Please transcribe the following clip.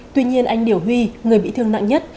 tuy nhiên anh điểu huy người bị thương nặng nhất